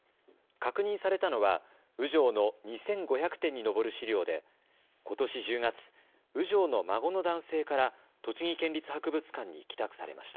確認されたのは雨情の２５００点に上る資料でことし１０月、雨情の孫の男性から栃木県立博物館に寄託されました。